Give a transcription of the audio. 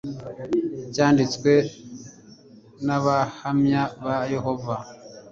cyanditswe n abahamya ba yehova